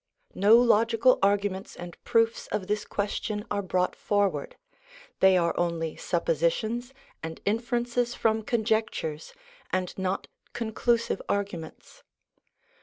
No logical arguments and proofs of this question are brought forward ; they are only suppositions and in ferences from conjectures, and not conclusive arguments.